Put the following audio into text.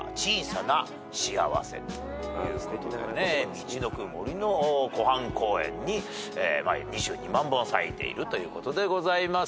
みちのく杜の湖畔公園に２２万本咲いているということでございます。